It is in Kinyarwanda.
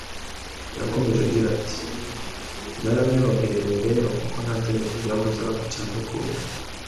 Yakomeje agira ati “Byaranyoroheye rero kuko nta tegeko ryambuzaga kucyandukura